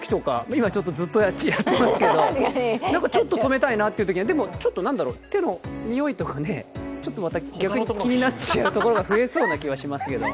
今、ずっとやってますけどちょっと止めたいなってときなんだろ、手のにおいとか逆にちょっと気になっちゃうところが増えそうな気がしますけど。